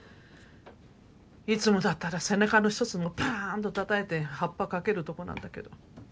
いつもだったら背中のひとつでもパーンとたたいてハッパ掛けるとこなんだけど。